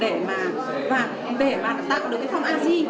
thực ra là bây giờ bọn mình đang đúng túng và rất là bối rối